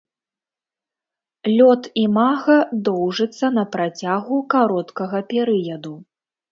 Лёт імага доўжыцца на працягу кароткага перыяду.